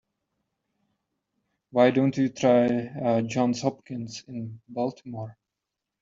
Why don't you try Johns Hopkins in Baltimore?